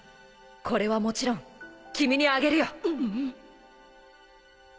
これはもちろん君にあげるよ